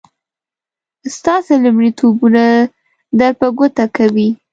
ستاسې لومړيتوبونه در په ګوته کوي.